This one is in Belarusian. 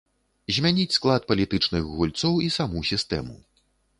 Змяніць склад палітычных гульцоў і саму сістэму.